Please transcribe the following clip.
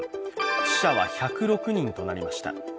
死者は１０６人となりました。